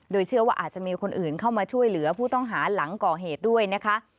โดยเชื่อว่าอาจจะมีคนอื่นเข้ามาช่วยเหลือผู้ต้องหาหลังก่อเหตุด้วยนะคะ